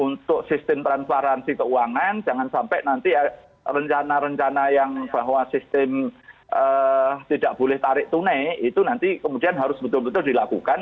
untuk sistem transparansi keuangan jangan sampai nanti rencana rencana yang bahwa sistem tidak boleh tarik tunai itu nanti kemudian harus betul betul dilakukan